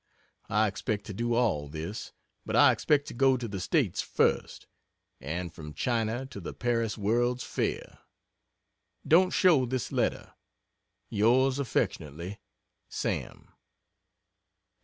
I expect to do all this, but I expect to go to the States first and from China to the Paris World's Fair. Don't show this letter. Yours affly SAM.